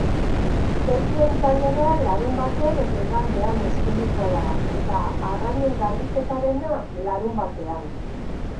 Ketuen tailerra larunbatean eta igandean eskainiko da eta arrainen garbiketarena, larunbatean.